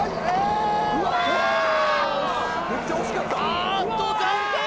あっと残念！